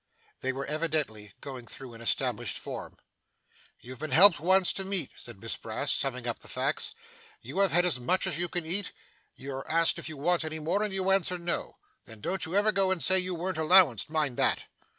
They were evidently going through an established form. 'You've been helped once to meat,' said Miss Brass, summing up the facts; 'you have had as much as you can eat, you're asked if you want any more, and you answer, 'no!' Then don't you ever go and say you were allowanced, mind that.